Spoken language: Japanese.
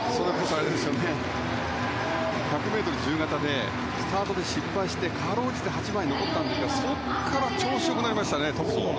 １００ｍ自由形でスタートで失敗してかろうじて８番に残ったんですけれどもそこから調子が良くなりましたね。